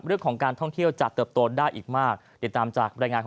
เรื่องของการท่องเที่ยวจะเติบโตได้อีกมาก